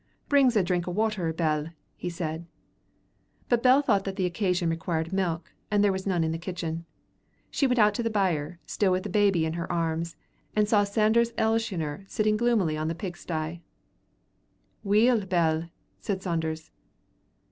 "Bring's a drink o' water, Bell," he said. But Bell thought the occasion required milk, and there was none in the kitchen. She went out to the byre, still with the baby in her arms, and saw Sanders Elshioner sitting gloomily on the pig sty. "Weel, Bell," said Sanders.